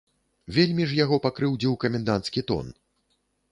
Вельмі ж яго пакрыўдзіў каменданцкі тон.